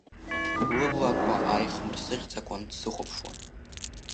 Лыблақәа ааихмырсыӷьӡакәан дсыхәаԥшуан.